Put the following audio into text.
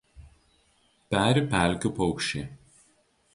Peri pelkių paukščiai.